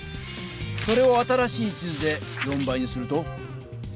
それを新しい地図で４倍にすると？